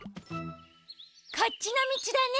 こっちのみちだね。